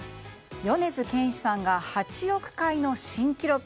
米津玄師さんが８億回の新記録。